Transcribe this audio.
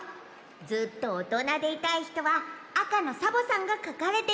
ずっとおとなでいたいひとはあかのサボさんがかかれているほうを。